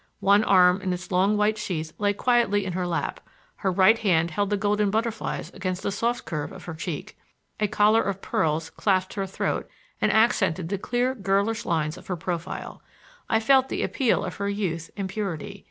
One arm in its long white sheath lay quiet in her lap; her right hand held the golden butterflies against the soft curve of her cheek. A collar of pearls clasped her throat and accented the clear girlish lines of her profile. I felt the appeal of her youth and purity.